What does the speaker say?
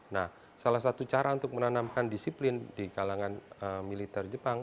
nah salah satu cara untuk menanamkan disiplin di kalangan militer jepang